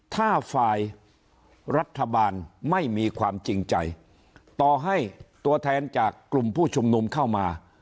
ถ้าฝ่ายรัฐบาลไม่มีความจริงใจต่อให้ตัวแทนจากกลุ่มผู้ชุมนุมเข้ามา